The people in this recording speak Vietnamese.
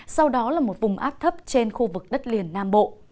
sau đó là một vùng áp thấp trên khu vực đất liền nam bộ